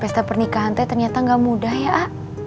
pesta pernikahan teh ternyata gak mudah ya ah